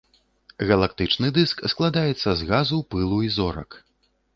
Галактычны дыск складаецца з газу, пылу і зорак.